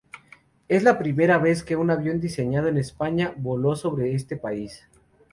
Es la primera vez que un avión diseñado en España voló sobre este país.